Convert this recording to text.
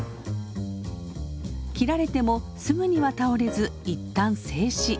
斬られてもすぐには倒れず一旦静止。